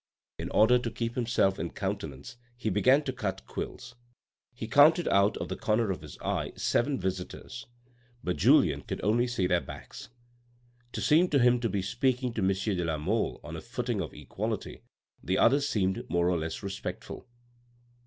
In order to keep himself in countenance, he began to cut quills. He counted out of the corner of his eye seven visitors, but Julien could only see their backs. Two seemed to him to be speaking to M. de la Mole on a footing of equality, the others seemed more or less respectful.